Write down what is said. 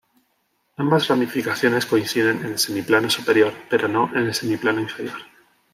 Ambas ramificaciones coinciden en el semiplano superior, pero no en el semiplano inferior.